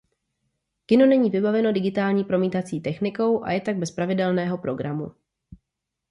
Kino není vybaveno digitální promítací technikou a je tak bez pravidelného programu.